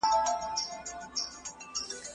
خاوند ته پکار ده، چي ميرمني ته وعظ او نصيحت وکړي.